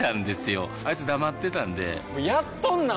あいつ黙ってたんでやっとんなー！